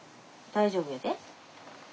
大丈夫やで。